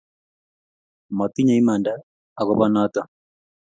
Matinye imanda akopo notoko